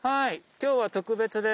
今日は特別です。